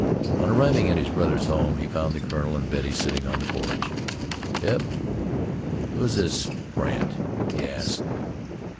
On arriving at his brother's home, he found the colonel and Betty sitting on the porch. "Eb, who is this Brandt?" he asked.